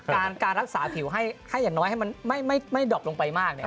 การรักษาผิวให้อย่างน้อยให้มันไม่ดอบลงไปมาก